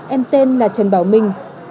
em tên là trần bảo minh